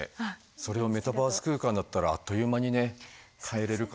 それをメタバース空間だったらあっという間にね変えれるから。